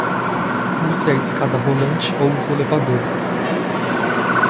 Use a escada rolante ou os elevadores